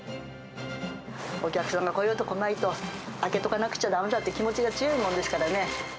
お客さんが来ようと来まいと、開けとかなくちゃだめだって気持ちが強いもんですからね。